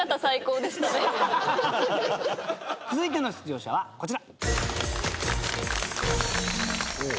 続いての出場者はこちら。